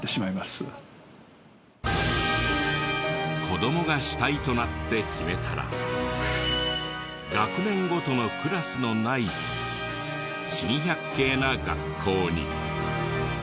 子どもが主体となって決めたら学年ごとのクラスのない珍百景な学校に。